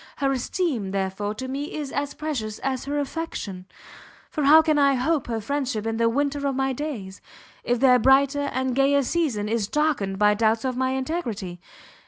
Her esteem, therefore, to me is as precious as her affection, for how can I hope her friendship in the winter of my days, if their brighter and gayer season is darkened by doubts of my integrity?